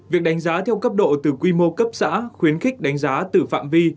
việc đánh giá theo cấp độ từ quy mô cấp xã khuyến khích đánh giá từ phạm vi